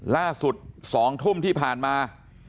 ล่าสุด๒ทุ่มที่ผ่านมา